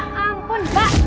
ya ampun mbak